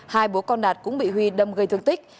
hai bố con đạt cũng bị huy đâm gây thương tích